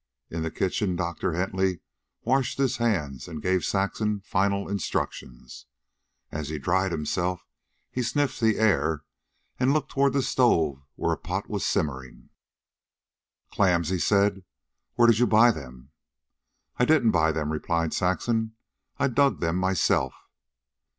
In the kitchen Doctor Hentley washed his hands and gave Saxon final instructions. As he dried himself he sniffed the air and looked toward the stove where a pot was simmering. "Clams," he said. "Where did you buy them?" "I didn't buy them," replied Saxon. "I dug them myself."